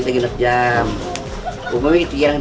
ya kita harus membuatnya dari bawah pindang